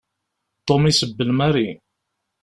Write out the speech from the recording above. Tom isebbel Mary.